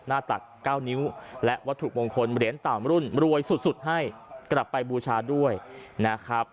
ตัก๙นิ้วและวัตถุมงคลเหรียญต่ำรุ่นรวยสุดให้กลับไปบูชาด้วยนะครับ